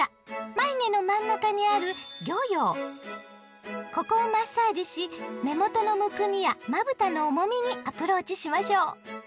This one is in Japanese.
眉毛の真ん中にあるここをマッサージし目元のむくみやまぶたの重みにアプローチしましょう。